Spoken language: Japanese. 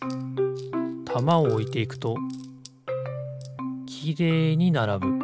たまをおいていくときれいにならぶ。